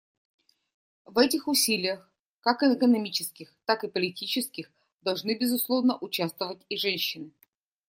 В этих усилиях, как экономических, так и политических, должны, безусловно, участвовать и женщины.